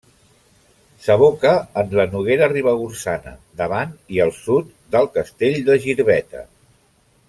S'aboca en la Noguera Ribagorçana davant i al sud del Castell de Girbeta.